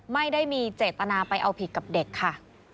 ไม่ได้มีเจตนาไปเอาผิดกับเด็กค่ะ